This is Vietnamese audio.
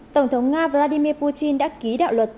tổng thống nga vladimir putin đã ký đạo luật